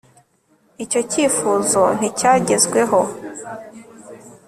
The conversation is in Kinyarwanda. icyo kifuzo nticyagezweho